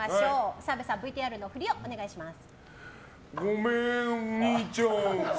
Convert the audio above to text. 澤部さん、ＶＴＲの振りをお願いします。